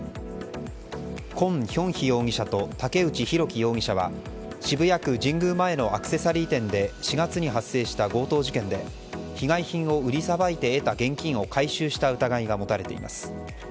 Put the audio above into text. コン・ヒョンヒ容疑者と竹内拓樹容疑者は渋谷区神宮前のアクセサリー店で４月に発生した強盗事件で被害品を売りさばいて得た現金を回収した疑いが持たれています。